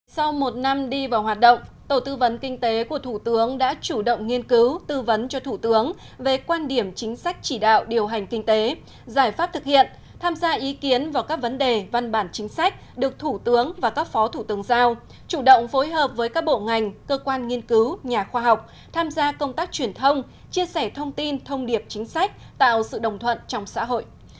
sau một năm đi vào hoạt động tổ tư vấn kinh tế của thủ tướng đã chủ động nghiên cứu tư vấn cho thủ tướng về quan điểm chính sách chỉ đạo điều hành kinh tế giải pháp thực hiện tham gia ý kiến vào các vấn đề văn bản chính sách được thủ tướng và các phó thủ tướng giao chủ động phối hợp với các bộ ngành cơ quan nghiên cứu nhà khoa học tham gia công tác truyền thông chia sẻ thông tin thông điệp chính sách tạo sự đồng thuận trong xã hội